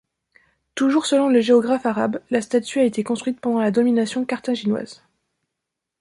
Toujours selon le géographe arabe, la statue a été construite pendant la domination carthaginoise.